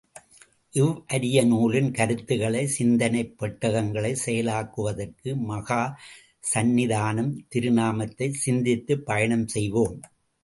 இவ்வரிய நூலின் கருத்துக்களை, சிந்தனைப் பெட்டகங்களைச் செயலாக்குவதற்கு மகாசந்நிதானம் திருநாமத்தைச் சிந்தித்துப் பயணம் செய்வோம்!